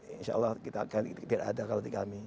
insya allah tidak ada kalau di kami